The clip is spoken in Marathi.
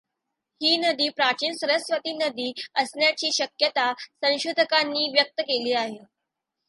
ही नदी प्राचीन सरस्वती नदी असण्याची शक्यता संशोधकांनी व्यक्त केली आहे.